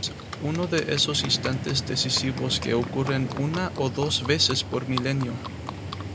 Uno de esos instantes decisivos que ocurren una o dos veces por milenio.